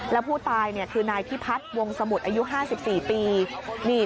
แล้วผู้ตายคือนายพิพัฒน์วงสมุทรอายุ๕๔ปี